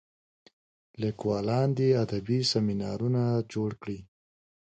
لیکوالان دي ادبي سیمینارونه جوړ کړي.